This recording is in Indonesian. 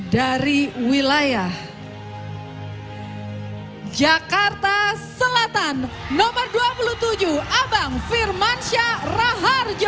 dari wilayah jakarta selatan nomor dua puluh tujuh abang firmansyah raharjo